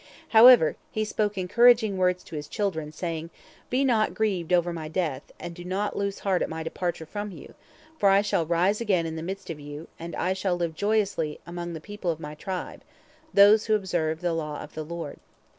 However, he spoke encouraging words to his children, saying: "Be not grieved over my death, and do not lose heart at my departure from you, for I shall arise again in the midst of you, and I shall live joyously among the people of my tribe, those who observe the law of the Lord.